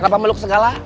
kenapa meluk segala